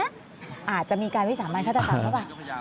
อาจจะมีการวิชามันข้าจะทำแล้วป่ะ